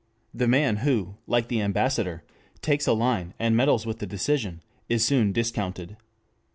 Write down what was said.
The man who, like the ambassador, takes a line, and meddles with the decision, is soon discounted.